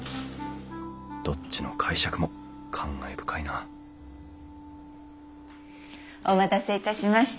どっちの解釈も感慨深いなお待たせいたしました。